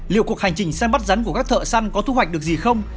liệu cuộc hành trình xem bắt rắn của các thợ săn có thu hoạch được gì không